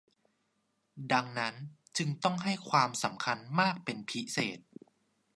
ดังนั้นจึงต้องให้ความสำคัญมากเป็นพิเศษ